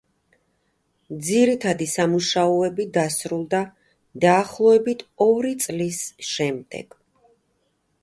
ძირითადი სამუშაოები დასრულდა დაახლოებით ორი წლის შემდეგ.